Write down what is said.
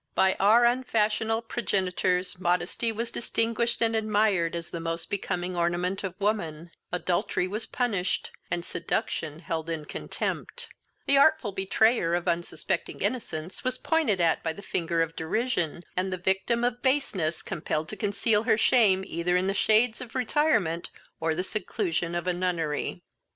By our unfashionable progenitors modesty was distinguished and admired as the most becoming ornament of woman; adultery was punished, and seduction held in contempt; the artful betrayer of unsuspecting innocence was pointed at by the finger of derision, and the victim of baseness compelled to conceal her shame either in the shades of retirement or the seclusion of a nunnery.